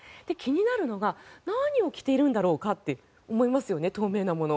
気になるのが何を着ているんだろうかって思いますよね。